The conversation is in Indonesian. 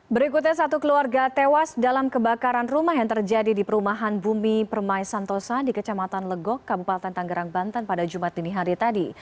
berikutnya satu keluarga tewas dalam kebakaran rumah yang terjadi di perumahan bumi permai santosa di kecamatan legok kabupaten tanggerang banten pada jumat dini hari tadi